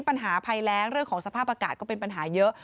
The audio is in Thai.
ปัญหาภัยแรงเรื่องของสภาพอากาศก็เป็นปัญหาเยอะ